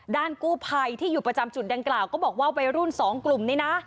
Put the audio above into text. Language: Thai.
กู้ภัยที่อยู่ประจำจุดดังกล่าวก็บอกว่าวัยรุ่นสองกลุ่มนี้นะ